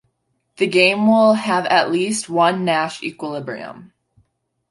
The game will have at least one Nash equilibrium.